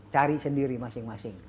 cari sendiri masing masing